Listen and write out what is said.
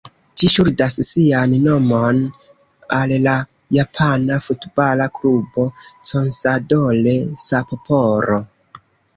Ĝi ŝuldas sian nomon al la japana futbala klubo "Consadole Sapporo".